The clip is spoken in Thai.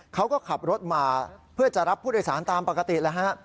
เขาก็ขับรถมาเพื่อจะรับผู้โดยสารตามปกติแล้วฮะ